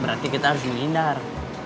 berarti kita harus menghindar